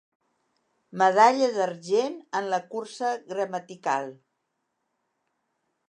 Medalla d'argent en la cursa gramatical.